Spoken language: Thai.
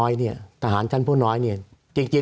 สวัสดีครับทุกคน